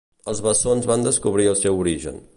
Els bessons van descobrir el seu origen.